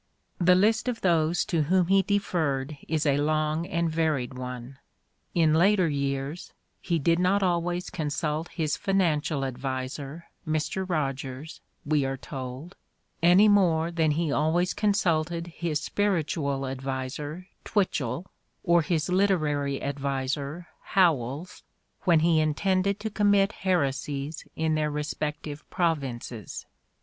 The list of those to whom he deferred is a long and varied one. In later years, "he did not always consult his financial adviser, Mr. Eogers," we are told, "any more than he always consulted his spiritual adviser Twitchell, or his literary adviser Howells, when he intended to commit heresies in their respective prov inces."